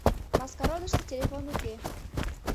— Маскародышто телефон уке...